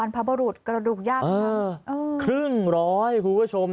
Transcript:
พระพุทธกระดูกหยาลคุณครับเออครึ่งร้อยคุณผู้ชม